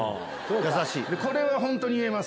これは本当に言えます。